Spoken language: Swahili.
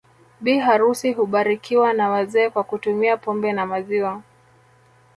Bi harusi hubarikiwa na wazee kwa kutumia pombe na maziwa